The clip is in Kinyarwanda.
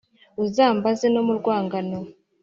uzambaze no mu rwangano,